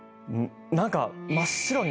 何か。